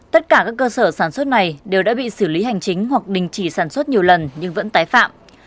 tất cả các cơ sở sản xuất này đều đã bị xử lý hành chính hoặc đình chỉ sản xuất nhiều lần nhưng vẫn tái phạm